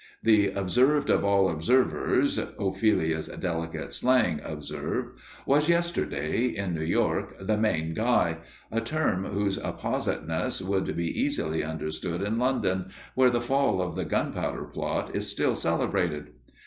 The "observed of all observers" (Ophelia's delicate slang, observe) was, yesterday, in New York "the main Guy," a term whose appositeness would be easily understood in London, where the fall of the Gunpowder Plot is still celebrated.